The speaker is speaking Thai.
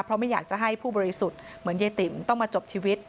เพราะไม่อยากจะให้ผู้บริสุทธิ์เหมือนยายติ๋มต้องมาจบชีวิต